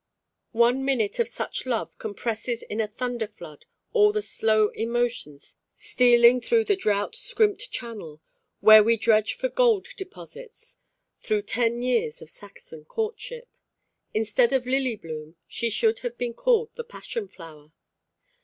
One minute of such love compresses in a thunder flood all the slow emotions stealing through the drought scrimped channel, where we dredge for gold deposits, through ten years of Saxon courtship. Instead of Lily bloom, she should have been called the Passion flower.